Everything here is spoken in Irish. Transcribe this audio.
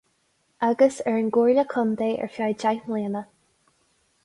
Agus ar an gcomhairle contae ar feadh deich mbliana.